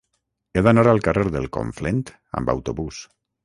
He d'anar al carrer del Conflent amb autobús.